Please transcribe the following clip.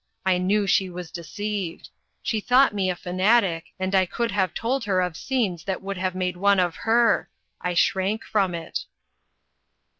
I knew she was deceived. She thought me a fanatic, and I could have told her of scenes that would have made one of her. I shrank from it."